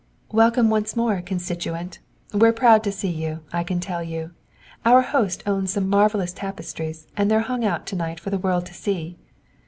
"Welcome once more, constituent! We're proud to see you, I can tell you. Our host owns some marvelous tapestries and they're hung out to night for the world to see."